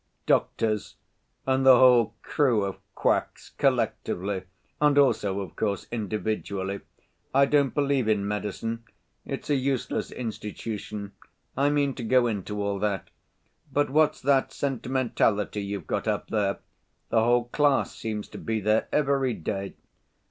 "Doctors and the whole crew of quacks collectively, and also, of course, individually. I don't believe in medicine. It's a useless institution. I mean to go into all that. But what's that sentimentality you've got up there? The whole class seems to be there every day."